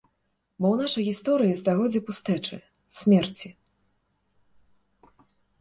Бо ў нашай гісторыі стагоддзі пустэчы, смерці.